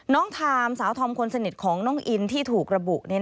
ทามสาวธอมคนสนิทของน้องอินที่ถูกระบุ